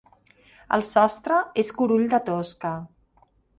El sostre és curull de tosca.